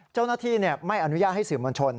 เจ้านักที่ไม่อนุญาตให้สวยบัญชน